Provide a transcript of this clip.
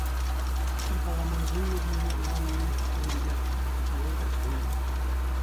Тухтӑр палламан ҫын нушине ӑнланни тӗлӗнтерчӗ, ачана тӗрӗслерӗ.